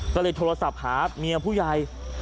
ก็เลยโทรศัพท์หาเมียผู้ใหญ่